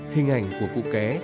hình ảnh của cụ ké